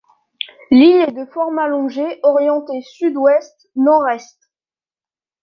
L'île est de forme allongée, orientée sud-ouest-nord-est.